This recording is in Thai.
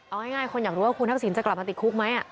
เอาง่ายคนอยากรู้ว่าคุณทักษิณจะกลับมาติดคุกไหม